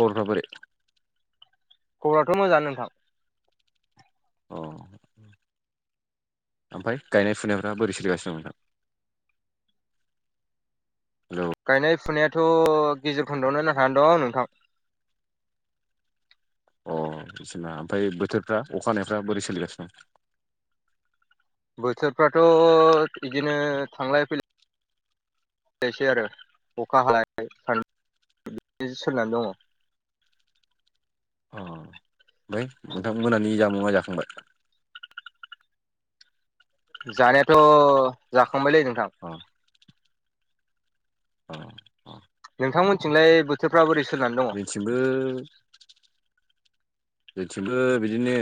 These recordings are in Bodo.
खबरफ्रा बोरै? खबराथ' मोजांङानो नोंथां। औ ओमफ्राय गायनाय फुनायफ्रा बोरै सोलिगासिनो दं नोंथां? हेलौ गायनाय फुनायाथ' गेजेर खन्दआवनो नांथानानै दं नोंथां। अ बिसना ओमफ्राय बोथोरफ्रा अखाहानायफ्रा बोरै सोलिगासिनो दं? बोथोरफ्राथ' बिदिनो थांलाय फैलाय सै आरो अखा हानाय सानद सोनानै दंङ। अ आमफ्राय नोंथां मोनानि जामुंआ जाखांबाय? जानायाथ' जाखांबायलै नोंथां। अ औ नोंथांमोनथिंलाय बोथोरफ्रा बोरै सोलिनानै दं? थिंबो जोंथिंबो बिदिनो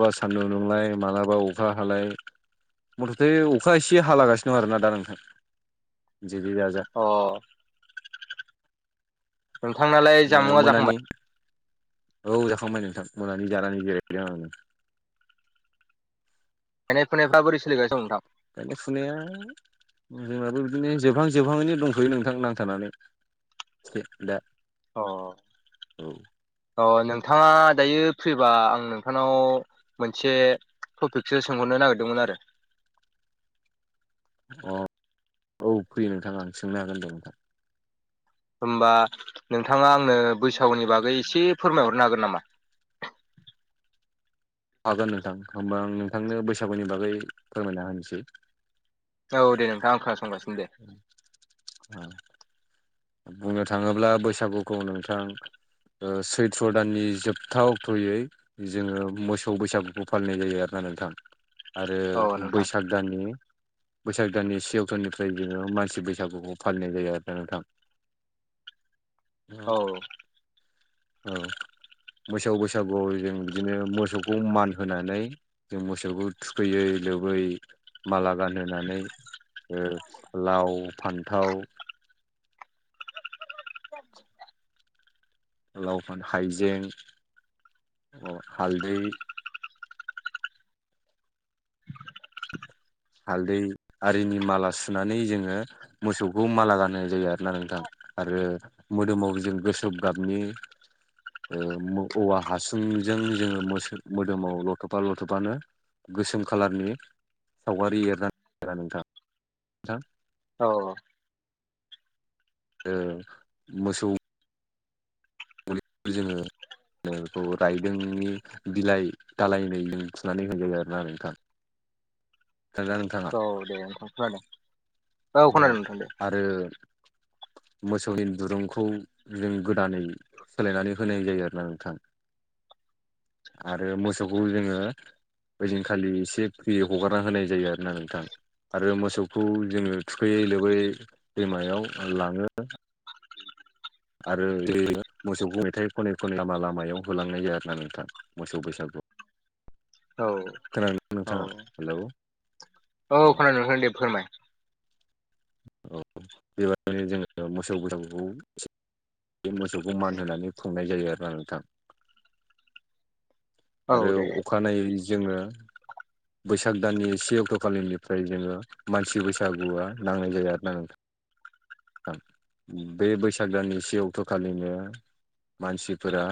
माब्लाबा सान्दुं नुंलाय मालाबा अखा हालाय मथथे अखा एसे हालागासिनो दं आरोना दा नोंथां जे जे जा अ नोंथांनालाय ओ जामुंआ मोनानि जाखांबाय औ जाखांबाय नोंथां मोनानि जानानै जिरायदों आं गायनाय फुनायफ्रा बोरै सोलिगासिनो दं नोंथां? गायनाय फुनाया जोंनाबो बिदिनो जोबहां जोबहांयैनो दंथ'यो नोंथां नांथानानै [unintelligible] अ औ अ नोंथांङा दायो फ्रिबा आं नोंथांनाव मोनसे टपिकसो सोंहरनो नागिरदोंमोन आरो। अ औ फैयो नोंथां आं सोंनो हागोन दे नोंथां। होमबा नोंथांङा आंनो बैसागुनि बागै एसे फोरमायहरनो हागोन नामा? हागोन नोंथां होमबा आं नोंथांनो बैसागुनि बागै फोरमायना होनोसै। औ दे नोंथांं आं खोनासंगासिनो दे। औ बुंनो थांङोब्ला बैसागुखौ नोंथां ओ सैथ्र' दाननि जोबथा अक्ट'यै जोंङो मोसौ बैसागुखौ फालिनाय जायो आरोना नोंथां आरो औ नोंथां बैसाग दाननि बैसाग दाननि से अक्ट'निफ्राय जोंङो मानसि बैसागुखौ फालिनाय जायो आरोना नोंथां। औ औ औ मोसौ बैसागुआव जों बिदिनो मोसौखौ मान होनानै जों मोसौखौ थुखैयै लोबै माला गानहोनानै ओ लाव फान्थाव [unintelligible] लाव फान हाइजें अ हालदै [inaudible] हालदै आरिनि माला सुनानै जोङो मोसौखौ माला गान होनाय जायो आरो ना नोंथां। आरो मोदोमाव जों गोसोम गाबनि ओ औवा हासुंजों जोङो मोसो मोदोमाव लथ'फा लथ'फानो गोसोम खालारनि सावगारि [unintelligible] नोंथां नोंथां औ ओं मोसौ [unintelligible] जोंङो ङोखौ रायदोंनि बिलाइ दालायनैजों थुनानै होयो आरोना नोंथां। खोनादोना नोंथां? औ दे नोंथां खोनादों। औ खोनादों नोंथां दे आरो मोसौनि दुरुंखौ जों गोदानै सोलायनानै होनाय जायो आरोना नोंथां आरो मोसौखौ जोङो ओइदिन खालि एसे फ्रि‌ हगारना होनाय जायो आरोना नोंथां आरो मोसौखौ जोङो थुखैयै लोबोयै दैमायाव लाङो। आरो [unintelligible] मोसौखौ मेथाइ खनै खनै लामा लामायाव होलांनाय जाया आरो ना नोंथां मोसौ बैसागुआव। औ खोनादों नोंथाङा? हेलौ औ खोनादों नोथां दे फोरमाय। औ बेबायदिनो जोङो मोसौ बैसागुखौ बे मोसौखौ मान होनानै खुंनाय जायो आरो ना नोंथां। [inaudible] औ आरो दे दे। अखानायै जोङो बैसाग दाननि से अक्ट' खालिनिफ्राय जोङो मानसि बैसागुआ नांनाय जायो आरो ना नोंथा। थां बे बैसाग दनि से अक्ट'खालिनो मानसिफोरा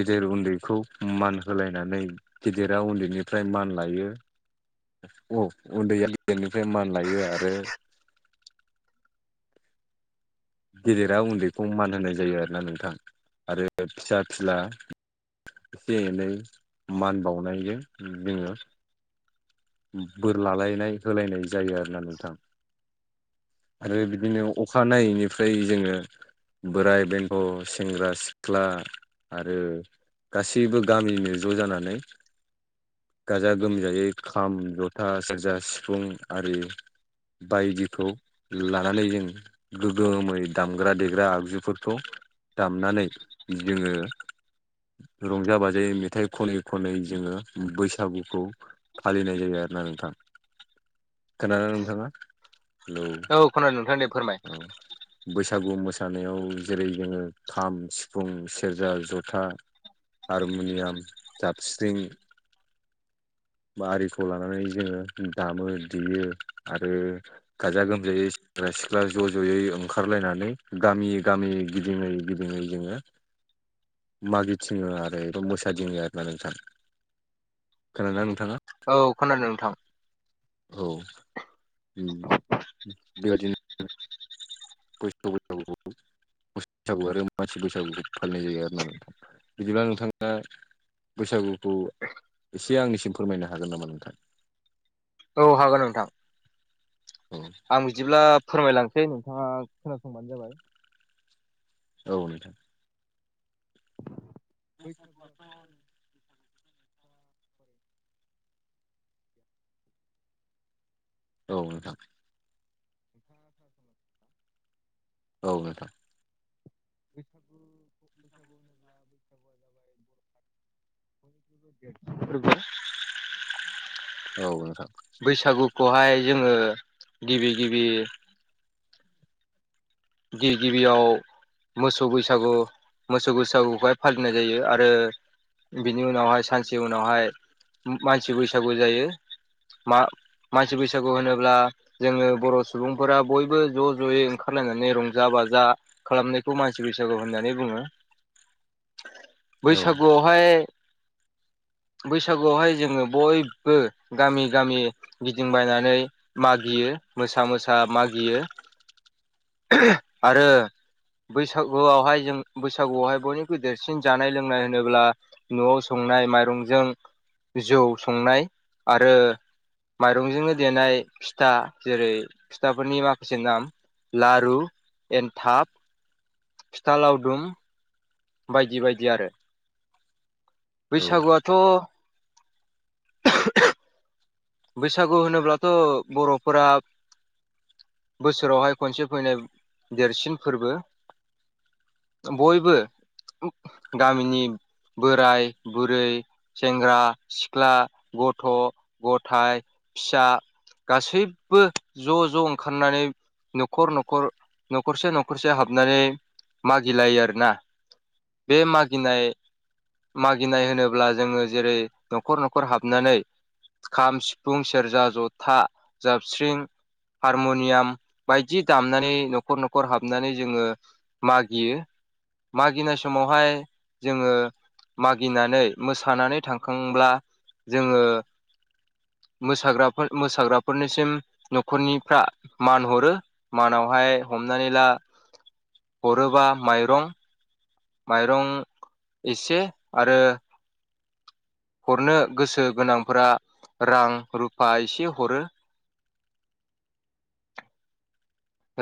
गिदिर उन्दैखौ मान होलायनानै गिदिरा उन्दैनिफ्राय मान लायो औ उन्दैया गेदेननिफ्राय मान लायो आरो गेदेरा उन्दैखौ मान होनाय जायो आरोना नोंथां आरो फिसा फिला एसे एनै मान बावनायजों जोङो बोर लालायनाय होलायनाय जायो आरोना नोंथां। आरो बिदिनो अखानायैनिफ्राय जोङो बोराय बेन्थ' सेंग्रा सिख्ला आरो गासैबो गामिनो ज' जानानै गाजा गोमजायै खाम जथा सेरजा सिफुं आरि बायदिखौ लानानै जों गोगोमै दामग्रा देग्रा आगजुफोरखौ दामनानै जोङो रंजा बाजायै मेथाइ खनै खनै जोङो बैसागुखौ फालिनाय जायो आरोना नोंथां। खोनादोना नोंथांङा? हेलौ हेलौ खोनादो नोंथां दे फोरमाय। औ बैसागु मोसानायाव जेरै जोङो खाम सिफुं सेरजा जथा हारमुनियाम जाबस्रिं बा आरिखौ लानानै जोङो दामो देयो आरो गाजा गोमजायै सेंग्रा सिख्ला ज' ज'यै ओंखारलायनानै गामि गामि गिदिङै गिदिङो मागि थिङो आरो एा मोसादिङो आरोना नोंथां खोना न औ खोनादों नोंथां औ बेबादिनो बेस्थ' [unintelligible] बैसागु आरो मानसि बैसागुखौ फालिनाय जायो आरो ना नोंथां बिदिब्ला नोंथाङा बैसागुखौ एसे आंनिसिम फोरमायनो हागोन नामा नोंथां? औ हागोन नोंथां। औ आं बिदिब्ला फोरमायलांसै नोंथाङा खोनासंबानो जाबाय औ नोंथां बैसागुआथ' [unintelligible] औ नोंथां सम औ नोंथां [unintelligible] औ [unintelligible] नोंथां बैसागुखौहाय जोङो गिबि गिबि गिबि गिबियाव मोसौ बैसागु मोसौ बैसागुखौहाय फालिनाय जायो आरो बिनि उनावहाय सानसे उनावहाय मानसि बैसागु जायो मा मानसि बैसागु होनोब्ला जोङो बर' सुबुंफोरा बयबो ज' ज'यै ओंखारनांगो रंजा बाजा खालामनायखौ मानसि बैसागु होननानै बुङो औ बैसागुआवहाय बैसागुआवहाय जोङो बय बो गामि गामि बायनानै मागियो मोसा मोसा मागियो आरो बैसागुआवहाय जों बैसागुआवहाय बयनिख्रुइ देरसिन जानाय लोंनाय होनोब्ला न'आव संनाय माइरंजों जौ संनाय आरो माइरंजोंनो देनाय फिथा जेरै फिथाफोरनि माखासे नाम लारु एन्थाब फिथा लावदुम बायदि बायदि आरो औ बैसागुआथ' बैसागु होनोब्लाथ' बर'फोरा बोसोरावहाय खनसे फैनाय देरसिन फोरबो बयबो गामिनिबो बोराय बुरै सेंग्रा सिख्ला गथ' थाइ फिसा गासैबो ज' ज' ओंखारनानै न'खर न'खर न'खरसे न'ख ख खरसे हाबनानै मागिलायो आरोना बे मागिनाय मागिनाय होनोब्ला जोङो जेरै न'खर न'खर हाबनानै खाम सिफुं सेरजा जथा जाबस्रिं हारमुनियाम बायदि दामनानै नखर न'खर न'खर हाबनानै जोङो मागियो मागिनाय समावहाय जोङो मागिनानै मोसानानै थां खांब्ला जोङो मोसाग्राफोर मोसाग्राफोरनिसिम न'खरनिफ्रा मान हरो मानावहाय हमनानै ला हरोबा माइरं माइरं एसे आरो हरनो गोसो गोनांफोरा रां रुफा एसे हरो।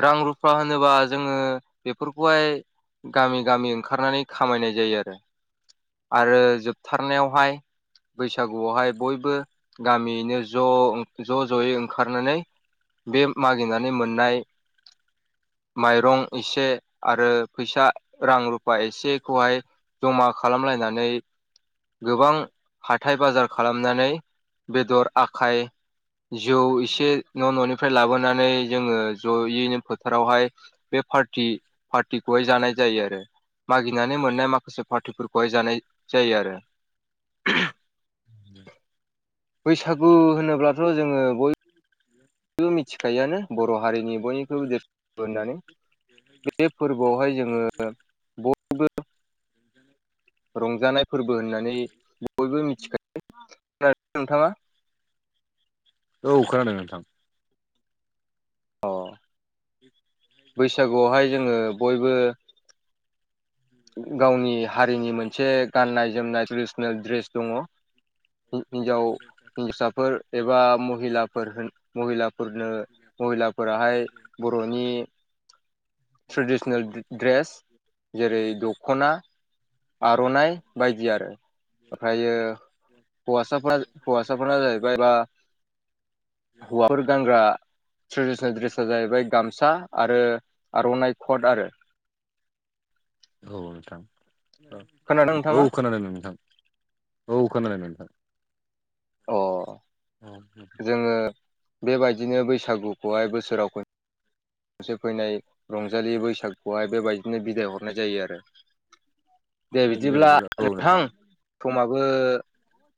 रां रुफा होनोबा जोङो बेफोरखौहाय गामि गामि खारनानै खामायनाय जायो आरो आरो जोबथारनायावहाय बैसागुआवहाय बयबो गामियैनो ज' ज' ज'यै ओंखारनानै बे मागिनानै मोननाय माइरं एसे आरो फैसा रां रुफा एसेखौहाय जमा खालामलायनानै गोबां हाथाय बाजार खालामनानै बेदर आखाय जौ एसे न' न'निफ्राय लाबोनानै जोङो जयैनो फोथारावहाय बे फारथि फारथिखौहाय जानाय जायो आरो मागिनानै मोननाय माखासे पार्टिफोरखौहाय जानाय जायो आरो। बैसागु होनोब्लाथ' जोङो बय बो मिथिखायोआनो बर' हारिनि बयनिख्रुइबो देरसिन होननानै। बे फोरबोआवहाय जोङो बयबो रंजानाय फोरबो होननानै बयबो मिथिखायो नोंथाङा। औ खोनादों नोंथां। औ। बैसागुआवहाय जोङो बयबो गावनि हारिनि मोनसे गाननाय जोमनाय ट्रेडिसनेल दड्रेस दङ। हिन्जाव हिन्जावसाफोर एबा महिलाफोर होन महिलाफोरनो महिलाफोराहाय बर'नि ट्रेडिसनेल दड्रेस जेरै दख'ना आर'नाइ बायदि आरो, ओमफ्रायो हौवासाफोरा हौवासाफोरा जाहैबाय बा हौवाफोर गानग्रा ट्रेडिसनेल दड्रेसा जाहैबाय गामसा आरो आर'नाइ खट आरो। औ नोंथां खोनादों औ नोंथाङा औ खोनादों नोंथां औ खोनादों नोंथां। अ जोङो बेबायदिनो बैसागुखौहाय बोसोराव खन से फैनाय रंजालि बैसागुखौहाय बेबायदिनो बिदाय हरनाय जायो आरो। दे बिदिब्ला नोंथां समाबो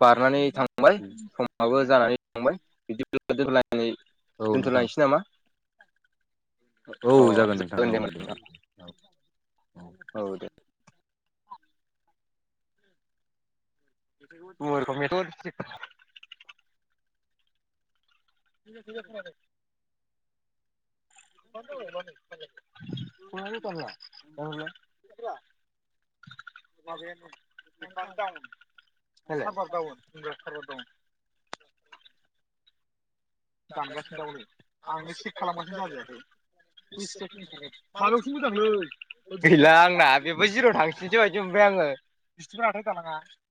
बारनानै थांबाय सम समाबो जानानै थांबाय बिदिबा दोनथलायनानै औ नोंथां दोनथ'लायनोसै नामा? औ जागोन नोंथां औ दे औ औ दे। [inaudible] [inaudible] [inaudible] [inaudible] [inaudible] [inaudible] दानगासिनो दंलै आंनो चक खालामगासिनो जाजायाखै [unintelligible] बिदि बायदि मोनबाय आङो बिस्थिफोर नथाय थानङा